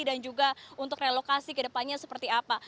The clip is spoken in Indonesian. dan juga untuk relokasi kedepannya seperti apa